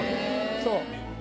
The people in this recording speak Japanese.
そう。